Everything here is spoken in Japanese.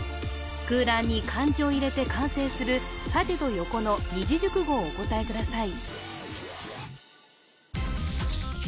空欄に漢字を入れて完成する縦と横の二字熟語をお答えください